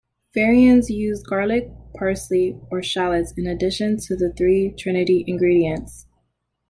Variants use garlic, parsley, or shallots in addition to the three trinity ingredients.